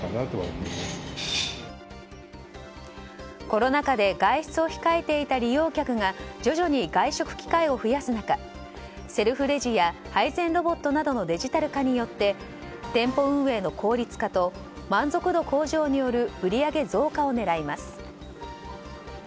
コロナ禍で外出を控えていた利用客が徐々に外食機会を増やす中セルフレジや配膳ロボットなどのデジタル化によって店舗運営の効率化と満足度向上による売り上げ増加を狙います。